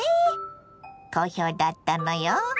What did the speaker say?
好評だったのよ。